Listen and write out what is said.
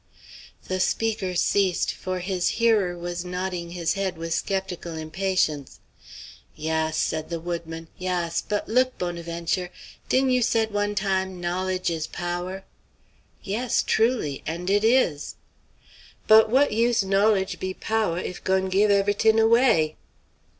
The speaker ceased, for his hearer was nodding his head with sceptical impatience. "Yass," said the woodman, "yass; but look, Bonaventure. Di'n' you said one time, 'Knowledge is power'?" "Yes, truly; and it is." "But what use knowledge be power if goin' give ev't'in' away?"